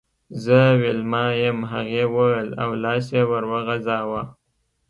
زه ویلما یم هغې وویل او لاس یې ور وغزاوه